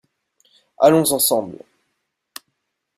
Allons ensemble.